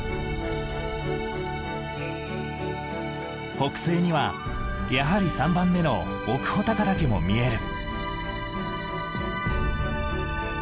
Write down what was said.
北西にはやはり３番目の奥穂高岳も見える。